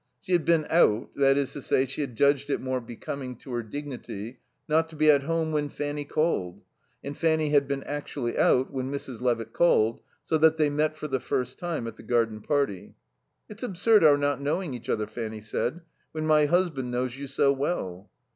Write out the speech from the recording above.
She had been out, that is to say, she had judged it more becoming to her dignity not to be at home when Fanny called; and Fanny had been actually out when Mrs. Levitt called, so that they met for the first time at the garden party. "It's absurd our not knowing each other," Fanny said, "when my husband knows you so well."